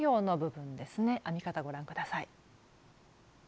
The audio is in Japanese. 編み方ご覧下さい。